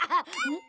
ん？